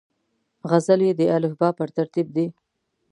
غزلې د الفبې پر ترتیب دي.